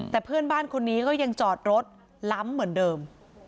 แต่เพื่อนบ้านคนนี้ก็ยังจอดรถล้ำเหมือนเดิม